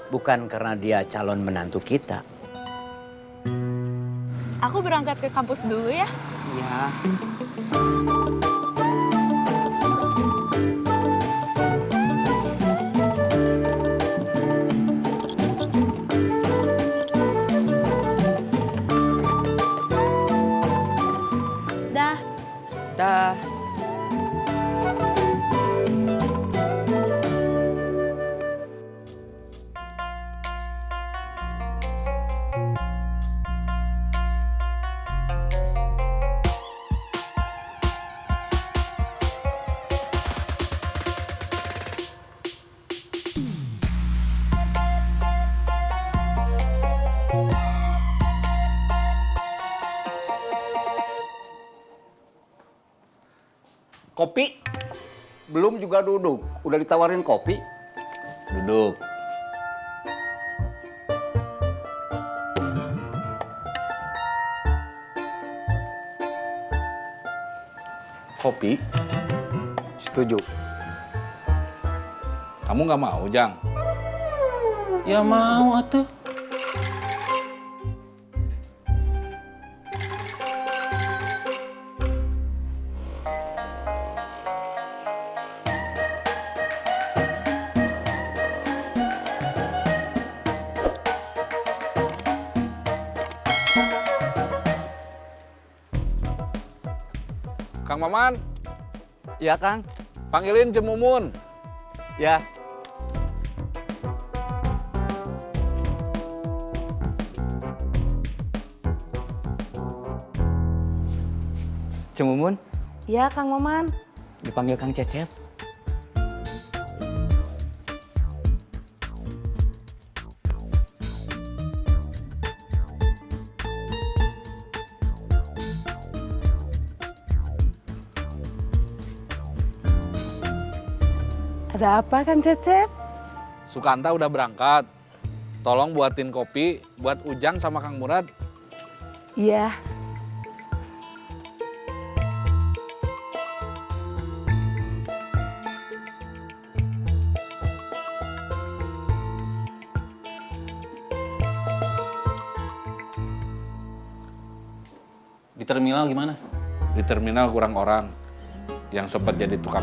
bukan karena dia calon menantu kita